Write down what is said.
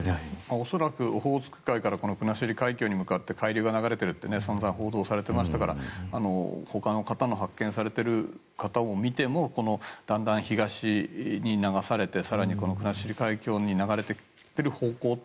恐らくオホーツク海から国後海峡に向かって海流が流れているとさんざん報道されていましたから他の方発見されている方を見てもだんだん東に流されて国後海峡に流れてきている方向